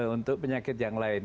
untuk penyakit yang lain